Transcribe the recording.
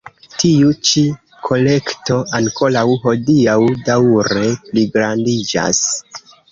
Tiu ĉi kolekto ankoraŭ hodiaŭ daŭre pligrandiĝas.